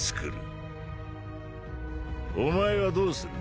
お前はどうする？